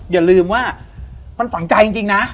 อย่าลืมว่ามันฝังใจจริงนะ